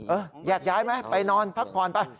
แยกย้ายไหมไปนอนพักผ่อนไป